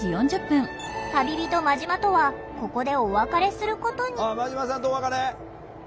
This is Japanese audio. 旅人マジマとはここでお別れすることに。